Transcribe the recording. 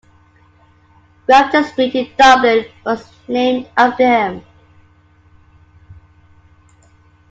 Grafton Street in Dublin was named after him.